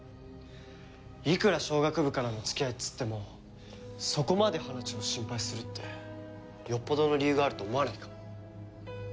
いくら小学部からの付き合いっつってもそこまで花ちゃんを心配するってよっぽどの理由があると思わないか？